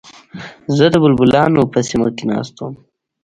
زه د بلبلانو په سیمه کې ناست وم.